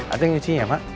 ada yang nyuci ya mak